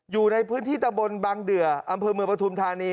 อยู่ในพื้นที่ตะบนบางเดืออำเภอเมืองปฐุมธานี